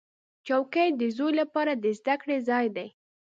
چوکۍ د زوی لپاره د زده کړې ځای دی.